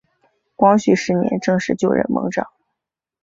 光绪十年正式就任盟长。